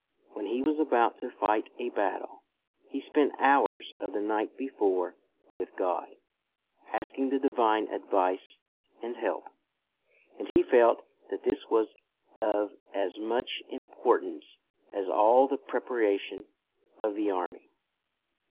When he was about to fight a battle, he spent hours of the night before with God, asking the divine advice and help, and he felt that this was of as much importance as all the preparation of the army.